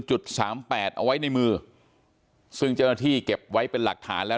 จุดสามแปดเอาไว้ในมือซึ่งเจ้าหน้าที่เก็บไว้เป็นหลักฐานแล้ว